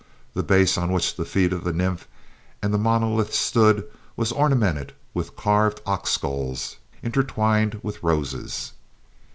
The base on which the feet of the nymph and the monolith stood was ornamented with carved ox skulls intertwined with roses.